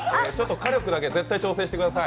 火力だけ絶対調整してください。